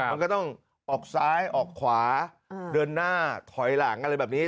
มันก็ต้องออกซ้ายออกขวาเดินหน้าถอยหลังอะไรแบบนี้